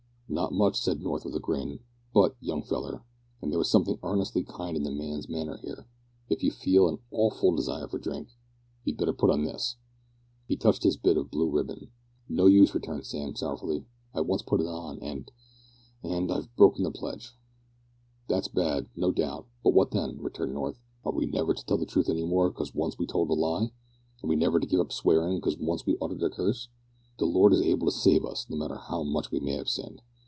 "Not much," said North, with a grin. "But, young feller," (and there was something earnestly kind in the man's manner here), "if you feel an awful desire for drink, you'd better put on this." He touched his bit of blue ribbon. "No use," returned Sam, sorrowfully, "I once put it on, and and I've broke the pledge." "That's bad, no doubt; but what then?" returned North; "are we never to tell the truth any more 'cause once we told a lie? Are we never to give up swearin' 'cause once we uttered a curse? The Lord is able to save us, no matter how much we may have sinned.